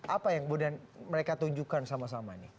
apa yang mereka tunjukkan sama sama ini